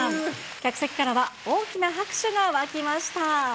客席からは、大きな拍手が沸きました。